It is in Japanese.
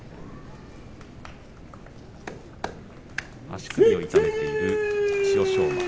足首を痛めている千代翔馬。